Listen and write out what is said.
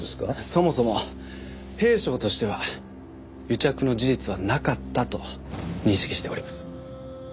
そもそも弊省としては癒着の事実はなかったと認識しております。